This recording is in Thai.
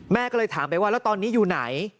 แม่ก็เลยถามไปว่าแล้วตอนนี้อยู่ไหน